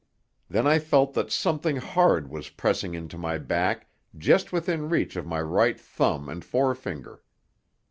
Then I felt that something hard was pressing into my back, just within reach of my right thumb and forefinger.